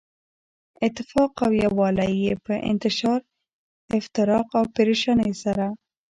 اتفاق او يو والی ئي په انتشار، افتراق او پريشانۍ سره